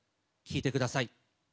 聴いてください。